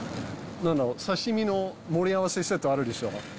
なんだろう、刺身の盛り合わせセットあるでしょ。